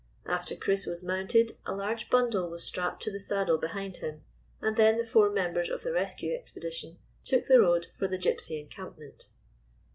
After Chris was mounted a large bundle was strapped to the saddle behind him, and then the four members of the rescue expedition took the road for the Gypsy encampment.